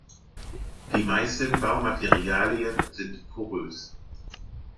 Die meisten Baumaterialien sind porös.